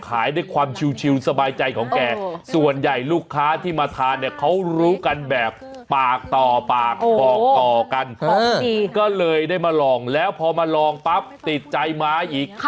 ขายด้วยความชิวสบายใจของแกส่วนใหญ่ลูกค้าที่มาทานเนี่ยเขารู้กันแบบปากต่อปากบอกต่อกันก็เลยได้มาลองแล้วพอมาลองปั๊บติดใจม้าอีก